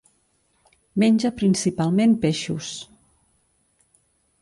Menja principalment peixos.